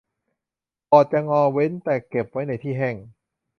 บอร์ดจะงอเว้นแต่เก็บไว้ในที่แห้ง